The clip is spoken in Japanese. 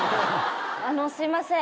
あのすいません。